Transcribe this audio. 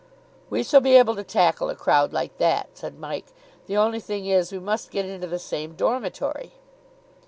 "We shall be able to tackle a crowd like that," said Mike. "The only thing is we must get into the same dormitory."